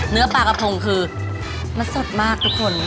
เนื้อปลากระพงคือมันสดมากทุกคน